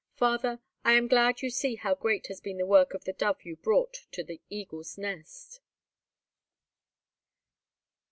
Father, I am glad you see how great has been the work of the Dove you brought to the Eagle's Nest."